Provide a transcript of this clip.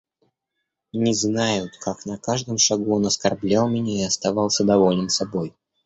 Не знают, как на каждом шагу он оскорблял меня и оставался доволен собой.